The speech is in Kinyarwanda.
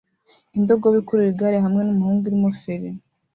Indogobe ikurura igare hamwe numuhungu irimo feri